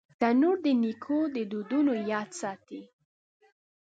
تنور د نیکو دودونو یاد ساتي